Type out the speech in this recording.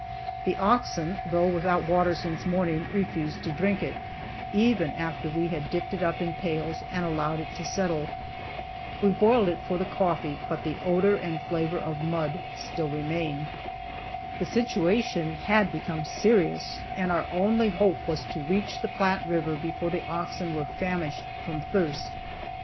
The oxen, though without water since morning, refused to drink it, even after we had dipped it up in pails and allowed it to settle. We boiled it for the coffee, but the odor and flavor of mud still remained. The situation had become serious and our only hope was to reach the Platte river before the oxen were famished from thirst.